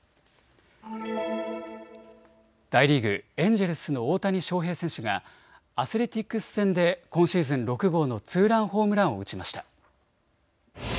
大リーグ、エンジェルスの大谷翔平選手がアスレティックス戦で今シーズン６号のツーランホームランを打ちました。